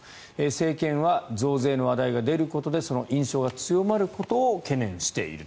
政権は増税の話題が出ることでその印象が強まることを懸念していると。